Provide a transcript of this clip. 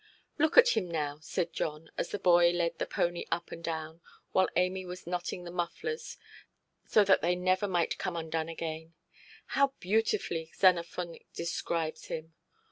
"Look at him now", said John, as the boy led the pony up and down, while Amy was knotting the mufflers so that they never might come undone again; "how beautifully Xenophon describes him!